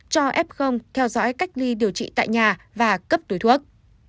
cho f theo dõi cách ly điều trị tại nhà và cấp túi thuốc